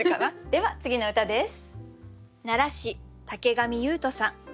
では次の歌です。